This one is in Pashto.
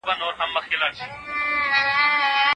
ځينې لغتونه ناسم ځای کې کارول کېږي.